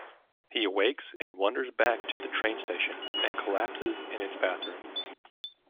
He awakes and wanders back to the train station and collapses in its bathroom.